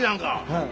はい。